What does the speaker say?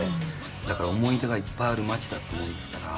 だから、思い出がいっぱいある街だと思いますから。